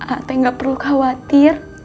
ateh nggak perlu khawatir